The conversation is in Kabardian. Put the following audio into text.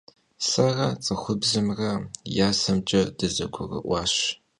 Sere ts'ıxubzımre vuasemç'e dızegurı'uaş.